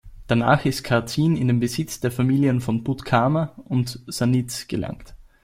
Danach ist Karzin in den Besitz der Familien von Puttkamer und von Sanitz gelangt.